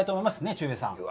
忠平さん。